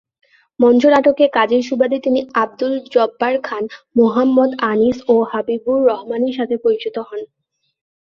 মঞ্চনাটকে কাজের সুবাদে তিনি আবদুল জব্বার খান, মোহাম্মদ আনিস ও হাবিবুর রহমানের সাথে পরিচিত হন।